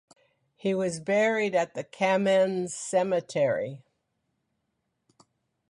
He was buried at the Kamenz cemetery.